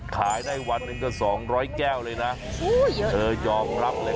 ขายได้วันหนึ่งก็๒๐๐แก้วเลยนะเธอยอมรับเลย